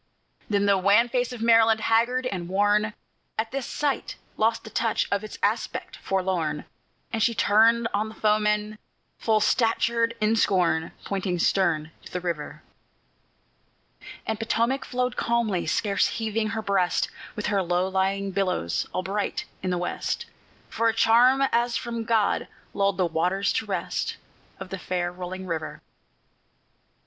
Then the wan face of Maryland, haggard and worn, At this sight lost the touch of its aspect forlorn, And she turned on the foemen, full statured in scorn, Pointing stern to the river. And Potomac flowed calmly, scarce heaving her breast, With her low lying billows all bright in the west, For a charm as from God lulled the waters to rest Of the fair rolling river.